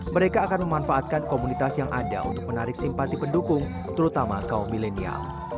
mereka akan memanfaatkan komunitas yang ada untuk menarik simpati pendukung terutama kaum milenial